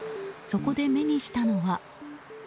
そこで目にしたのは。